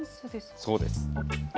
そうです。